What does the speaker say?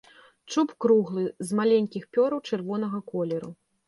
Чуб круглы, з маленькіх пёраў чырвонага колеру.